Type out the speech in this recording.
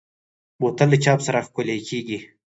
بوتل له چاپ سره ښکلي کېږي.